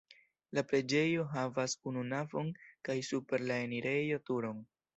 La preĝejo havas unu navon kaj super la enirejo turon.